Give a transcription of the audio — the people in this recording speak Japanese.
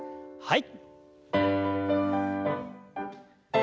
はい。